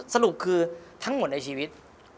สรุปคือทั้งหมดในชีวิต